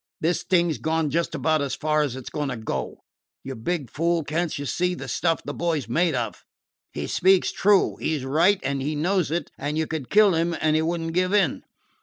"This thing 's gone just about as far as it 's going to go. You big fool, can't you see the stuff the boy 's made of? He speaks true. He 's right, and he knows it, and you could kill him and he would n't give in.